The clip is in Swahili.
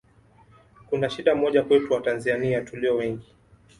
kuna shida moja kwetu Watanzania tulio wengi